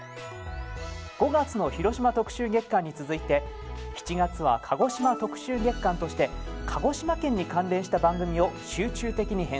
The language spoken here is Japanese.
５月の広島特集月間に続いて７月は鹿児島特集月間として鹿児島県に関連した番組を集中的に編成。